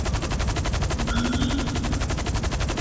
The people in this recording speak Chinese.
于苍梧县梨埠镇料口村以南汇入东安江。